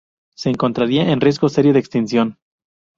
Se encontraría en riesgo serio de extinción.